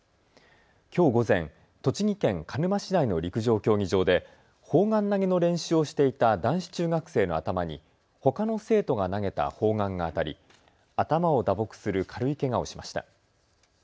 きょう午前、栃木県鹿沼市内の陸上競技場で砲丸投げの練習をしていた男子中学生の頭にほかの生徒が投げた砲丸が当たり頭を打撲する軽いけがをしました。